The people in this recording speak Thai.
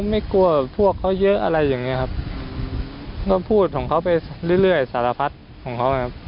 ไม่กลัวพวกเขาเยอะอะไรอย่างเงี้ยครับก็พูดของเขาไปเรื่อยสารพัดของเขาครับ